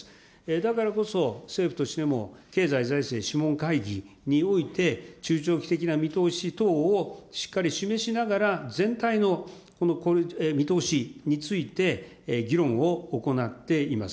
だからこそ、政府としても経済財政諮問会議において、中長期的な見通し等をしっかり示しながら、全体の見通しについて議論を行っています。